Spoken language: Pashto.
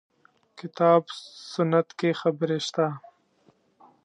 کتاب سنت کې خبرې شته.